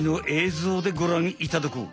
ぞうでごらんいただこう。